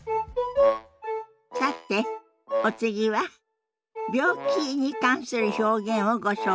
さてお次は病気に関する表現をご紹介します。